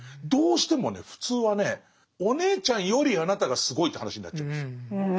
どうしてもね普通はねお姉ちゃんよりあなたがすごいって話になっちゃうんですよ。